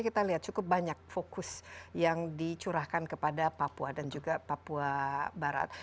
kita lihat cukup banyak fokus yang dicurahkan kepada papua dan juga papua barat